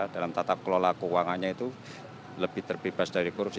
dalam tata kelola keuangannya itu lebih terbebas dari korupsi